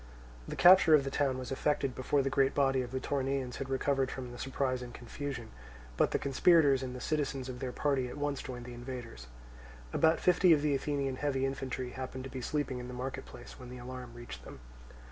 The capture of the town was effected before the great body of the Toronaeans had recovered from their surprise and confusion; but the conspirators and the citizens of their party at once joined the invaders. About fifty of the Athenian heavy infantry happened to be sleeping in the market place when the alarm reached them.